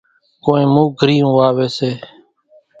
ڪورِي موُگھريئون واويَ سي۔